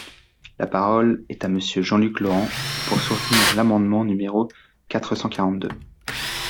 La parole est à Monsieur Jean-Luc Laurent, pour soutenir l’amendement numéro quatre cent quarante-deux.